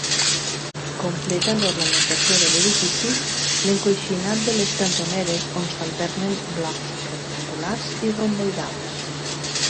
Completa l'ornamentació de l'edifici l'encoixinat de les cantoneres on s'alternen blocs rectangulars i romboidals.